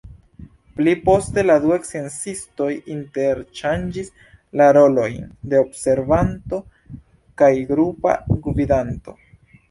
Pli poste la du sciencistoj interŝanĝis la rolojn de observanto kaj grupa gvidanto.